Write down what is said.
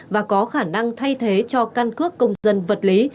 và có khả năng thay thế cho căn cước công dân vật lý